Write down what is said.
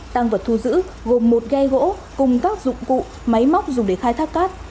tăng vật thu giữ gồm một ghe gỗ cùng các dụng cụ máy móc dùng để khai thác cát